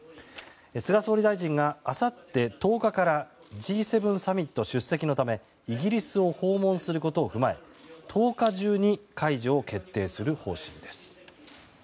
菅総理大臣があさって１０日からＧ７サミット出席のためイギリスを訪問することをふまえ１０日中に解除を決定する方針です。